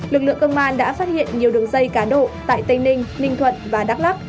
lực lượng công an đã phát hiện nhiều đường dây cá độ tại tây ninh ninh thuận và đắk lắc